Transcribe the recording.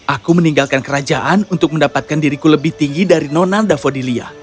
aku meninggalkan kerajaan untuk mendapatkan diriku lebih tinggi dari nona davodilia